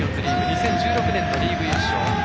２０１６年のリーグ優勝。